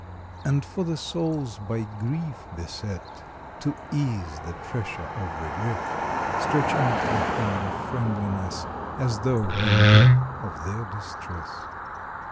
And for the souls by grief beset To ease the pressure of regret Stretch out the hand of friendliness As tho we knew of their distress.